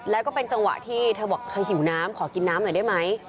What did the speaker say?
แล้วก็เป็นจังหวะที่เธอบอกเธอหิวน้ำขอกินน้ำหน่อยได้ไหม